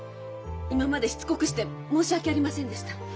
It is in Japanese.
今までしつこくして申し訳ありませんでした。